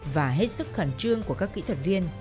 và hết sức khẩn trương của các kỹ thuật viên